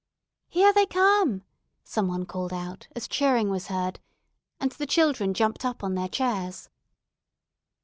"Here they come," some one called out, as cheering was heard, and the children jumped up on their chairs.